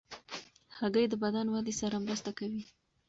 هګۍ د بدن ودې سره مرسته کوي.